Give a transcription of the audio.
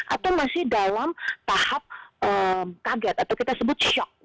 atau masih dalam tahap kaget atau kita sebut shock